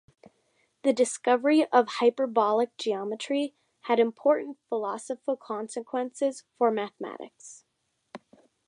The discovery of hyperbolic geometry had important philosophical consequences for Metamathematics.